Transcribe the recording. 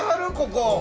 ここ！